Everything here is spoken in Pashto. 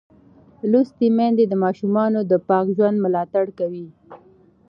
لوستې میندې د ماشومانو د پاک ژوند ملاتړ کوي.